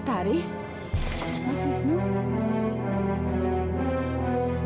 putari mas wisnu